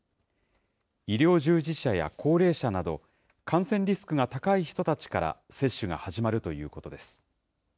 医療従事者や高齢者など、感染リスクが高い人たちから接種が始まるということです。